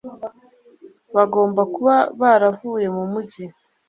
bagomba kuba baravuye mu mujyi